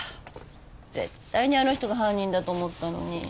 絶対にあの人が犯人だと思ったのに。